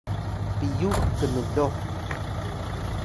piyux knloh